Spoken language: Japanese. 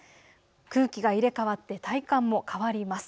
空気が入れ替わって体感も変わります。